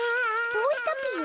どうしたぴよ？